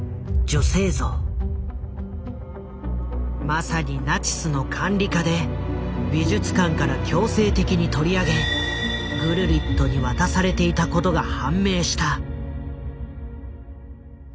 まさにナチスの管理下で美術館から強制的に取り上げグルリットに渡されていたことが判明した。